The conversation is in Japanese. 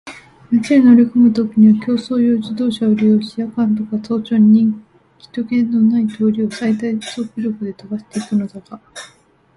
町へ乗りこむときには競走用自動車を利用し、夜間とか早朝に人気ひとけのない通りを最大速力で飛ばしていくのだが、